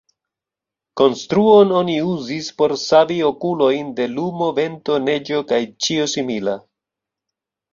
Konstruon oni uzis por savi okulojn de lumo, vento, neĝo kaj ĉio simila.